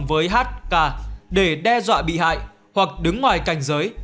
với h k để đe dọa bị hại hoặc đứng ngoài cành giới